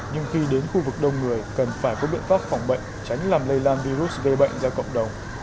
nhưng khi đến khu vực đông người cần phải có biện pháp phòng bệnh tránh làm lây lan virus gây bệnh ra cộng đồng